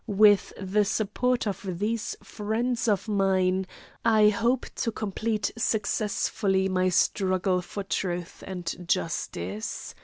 With the support of these friends of mine I hope to complete successfully my struggle for truth and justice.